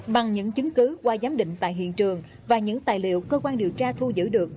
bằng những chứng cứ qua giám định tại hiện trường và những tài liệu cơ quan điều tra thu giữ được